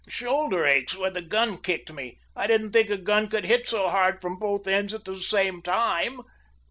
"Shoulder aches where the gun kicked me. I didn't think a gun could hit so hard from both ends at the same time."